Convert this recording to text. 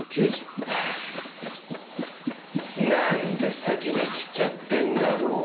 なんで先に来ちゃってんだろう？